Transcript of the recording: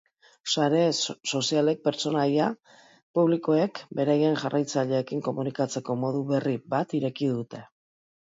Sare sozialek pertsonaia publikoek beraien jarraitzaileekin komunikatzeko modu berri bat ireki dute.